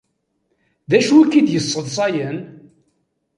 D acu i k-id-isseḍsayen?